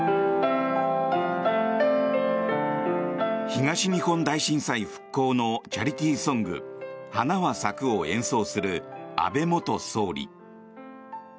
東日本大震災復興のチャリティーソング「花は咲く」を演奏する安倍元総理。